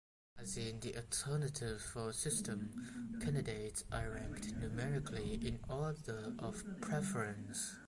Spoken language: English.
As in the alternative vote system, candidates are ranked numerically in order of preference.